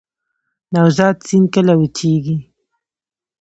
نوزاد سیند کله وچیږي؟